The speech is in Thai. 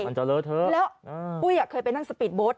แล้วปุ๊ย่ะเคยไปนั่งสปีดโบสต์